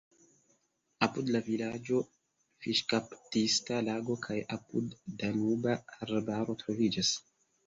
Apud la vilaĝo fiŝkaptista lago kaj apud-Danuba arbaro troviĝas.